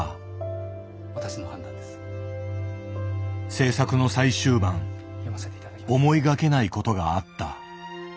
制作の最終盤思いがけないことがあった。